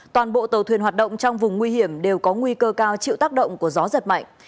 toàn bộ tàu thuyền hoạt động trong vùng nguy hiểm đều có nguy cơ cao chịu tác động của gió giật mạnh